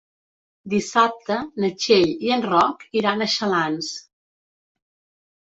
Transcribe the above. Dissabte na Txell i en Roc iran a Xalans.